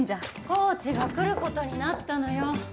コーチが来る事になったのよ。